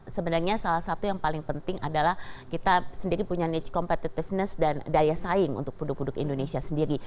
sebenarnya salah satu yang paling penting adalah kita sendiri punya net competitiveness dan daya saing untuk produk produk indonesia sendiri